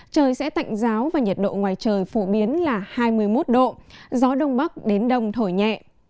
trời sẽ tạnh giáo và nhiệt độ ngoài trời phổ biến là hai mươi một độ gió đông bắc đến đông thổi nhẹ